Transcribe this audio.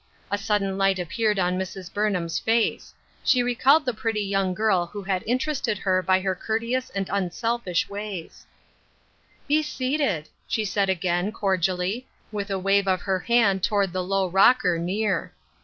A sudden light appeared on Mrs. Burnham's face ; she recalled the pretty young girl who had interested her by courte ous and unselfish ways. A TROUBLESOME "YOUNG PERSON." 1 67 " Be seated," she said again cordially, with a wave of her hand toward the low rocker, near.